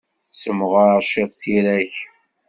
Ssemɣer ciṭ tira-k!